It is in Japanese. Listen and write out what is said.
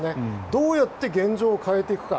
どうやって現状を変えていくか。